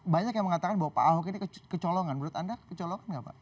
banyak yang mengatakan bahwa pak ahok ini kecolongan menurut anda kecolongan nggak pak